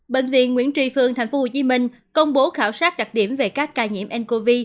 bệnh viện nguyễn tri phương tp hcm công bố khảo sát đặc điểm về các ca nhiễm ncov